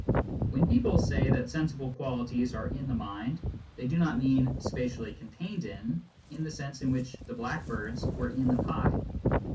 When people say that sensible qualities are in the mind, they do not mean " spatiaUy contained in " in the sense in which the blackbirds were in the pie.